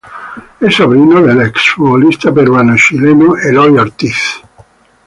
Es sobrino del ex-futbolista peruano-chileno Eloy Ortiz.